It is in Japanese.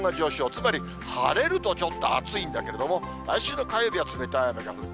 つまり晴れるとちょっと暑いんだけれども、来週の火曜日は冷たい雨が降る。